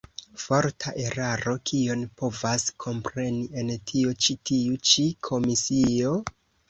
Forta eraro: kion povas kompreni en tio ĉi tiu ĉi komisio?